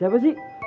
mas apa sih